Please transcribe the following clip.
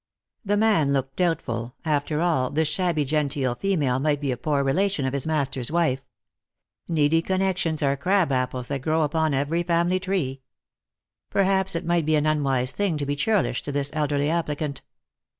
The man looked doubtful. After all, this shabby genteel female might be a poor relation of his master's wife's. Needy connections are crab apples that grow upon every family tree. Perhaps it might be an unwise thing to be churlish to this elderly applicant.